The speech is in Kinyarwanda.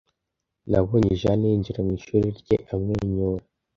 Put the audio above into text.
Nabonye Jane yinjira mwishuri rye amwenyura.